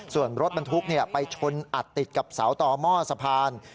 ส่วนรถบรรทุกไปชนอัดติดกับเสาต่อหม้อสะพาน